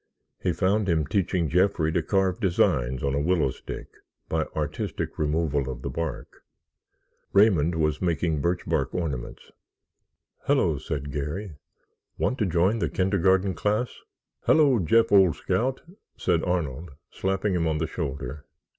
He found him teaching Jeffrey to carve designs on a willow stick by artistic removal of the bark. Raymond was making birchbark ornaments. "Hello," said Garry; "want to join the kindergarten class?" "Hello, Jeff, old scout!" said Arnold, slapping him on the shoulder.